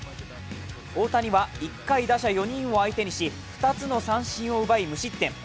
大谷は１回打者４人を相手にし２つの三振を奪い、無失点。